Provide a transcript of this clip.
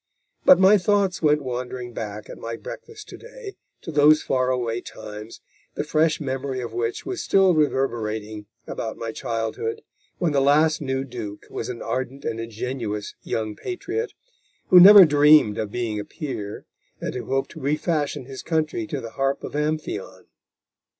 But my thoughts went wanderting back at my breakfast to day to those far away times, the fresh memory of which was still reverberating about my childhood, when the last new Duke was an ardent and ingenuous young patriot, who never dreamed of being a peer, and who hoped to refashion his country to the harp of Amphion.